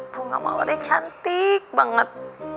bunga mawarnya cantik banget